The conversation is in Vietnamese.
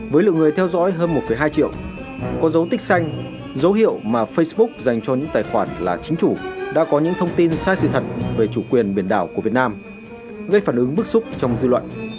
với lượng người theo dõi hơn một hai triệu có dấu tích xanh dấu hiệu mà facebook dành cho những tài khoản là chính chủ đã có những thông tin sai sự thật về chủ quyền biển đảo của việt nam gây phản ứng bức xúc trong dư luận